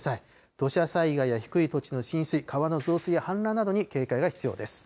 土砂災害や低い土地の浸水、川の増水や氾濫などに警戒が必要です。